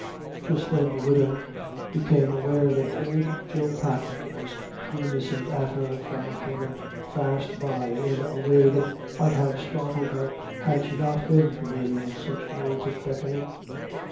Just then the widow became aware that old Joe Patman was grimacing at her from a corner fast by in a way that might have startled her had she not been familiar with such modes of beckoning.